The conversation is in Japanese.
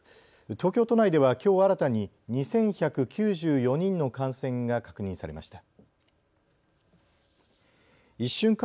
東京都内ではきょう新たに２１９４人の感染が確認されました。